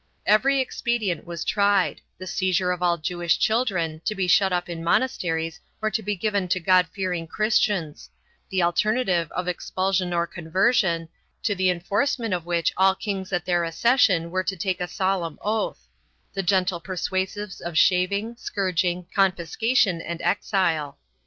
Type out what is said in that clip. Every expedient was tried — the seizure of all Jewish children, to be shut up in monasteries or to be given to God fearing Chris tians; the alternative of expulsion or conversion, to the enforce ment of which all kings at their accession were to take a solemn oath; the gentle persuasives of shaving, scourging, confiscation and exile.